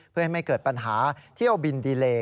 เพื่อให้ไม่เกิดปัญหาเที่ยวบินดีเล